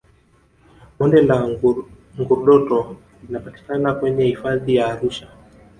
bonde la ngurdoto linapatikana kwenye hifadhi ya arusha